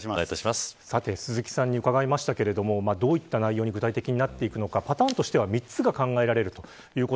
鈴木さんに伺いましたがどういった内容になっていくのかパターンとしては３つが考えられます。